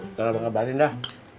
ntar abang kabarin dah